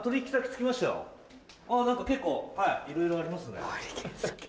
何か結構いろいろありますね。